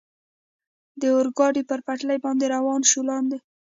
د اورګاډي پر پټلۍ باندې روان شو، لاندې.